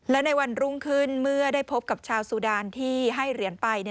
และในวันรุ่งขึ้นเมื่อได้พบกับชาวสุดานที่ให้เหรียญไป